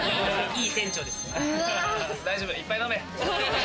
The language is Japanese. いっぱい飲め。